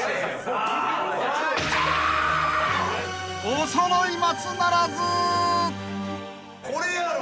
［おそろい松ならず］